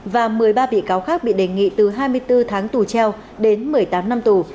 và một mươi ba bị cáo khác bị đề nghị từ hai mươi bốn tháng tù treo đến một mươi tám năm tù